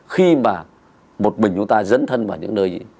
khi mà một mình chúng ta dẫn thân vào những nơi